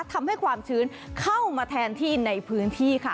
ทำให้ความชื้นเข้ามาแทนที่ในพื้นที่ค่ะ